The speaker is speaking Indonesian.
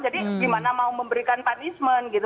jadi gimana mau memberikan punishment gitu